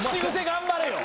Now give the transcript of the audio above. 「頑張れよ」